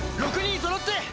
６人そろって。